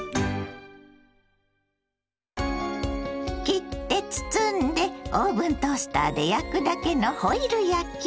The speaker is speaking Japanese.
切って包んでオーブントースターで焼くだけのホイル焼き。